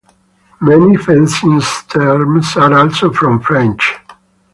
Many fencing terms are also from French.